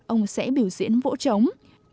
ông sẽ biểu diễn vỗ trống